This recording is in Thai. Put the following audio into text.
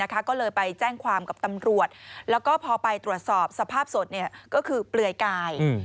ก็เลยไปแจ้งความกับตำรวจแล้วก็พอไปตรวจสอบสภาพศพก็คือเปลือยกาย